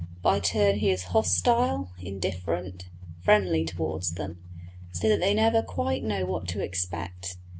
By turns he is hostile, indifferent, friendly towards them, so that they never quite know what to expect.